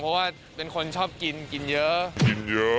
เพราะว่าเป็นคนชอบกินกินเยอะกินเยอะ